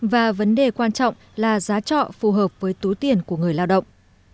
và vấn đề quan trọng là giá trọ phù hợp với túi tiền của người lao động